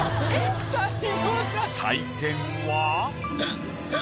採点は。